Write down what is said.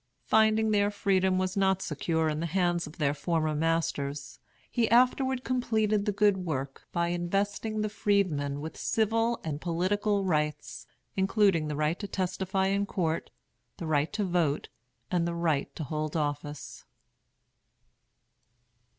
Finding their freedom was not secure in the hands of their former masters, he afterward completed the good work by investing the freedmen with civil and political rights; including the right to testify in court, the right to vote, and the right to hold office.